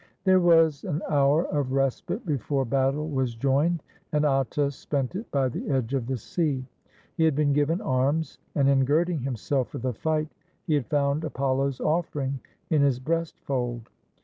There was an hour of respite before battle was joined, and Atta spent it by the edge of the sea. He had been given arms, and in girding himself for the fight he had found Apollo's offering in his breast fold.